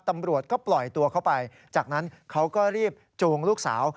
ตำรวจก็ปล่อยตัวเข้าไปจากนั้นเขาก็รีบจูงลูกสาว